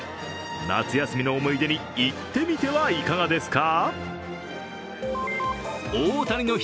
夏休みの思い出に行ってみてはいかがですか？